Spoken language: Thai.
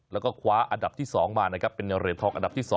แล้วก็คว้าอันดับที่๒มานะครับเป็นเหรียญทองอันดับที่๒